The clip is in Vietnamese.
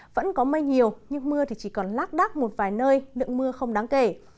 vẫn có mây nhiều nhưng mưa thì chỉ còn lác đắc một vài nơi lượng mưa không đáng kể